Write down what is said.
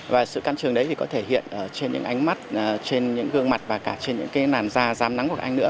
và sự can trường đấy thì có thể hiện trên những ánh mắt trên những gương mặt và cả trên những cái làn da dám nắng của các anh nữa